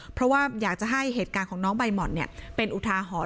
เพราะว่าอยากจะให้เหตุการณ์ของน้องใบหม่อนเป็นอุทาหรณ์